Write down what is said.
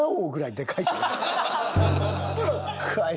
でっかい！